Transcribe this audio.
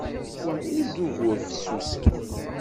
Wa ur d ugur fessusen.